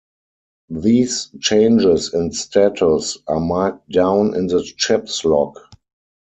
These changes in status are marked down in the ship's log.